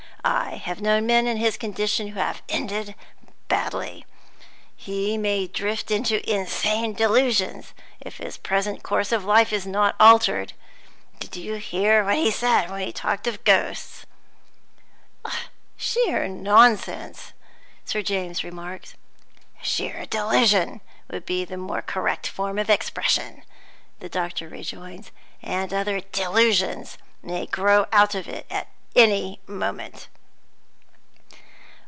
I have known men in his condition who have ended badly. He may drift into insane delusions, if his present course of life is not altered. Did you hear what he said when we talked about ghosts?" "Sheer nonsense!" Sir James remarks. "Sheer delusion would be the more correct form of expression," the doctor rejoins. "And other delusions may grow out of it at any moment."